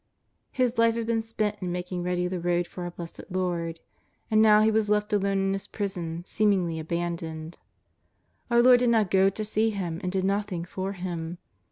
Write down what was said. His life had been spent in making ready the road for our Blessed Lord. And now he was left alone in his prison, seemingly abandoned. Our Lord did not go to see him and did nothing for him.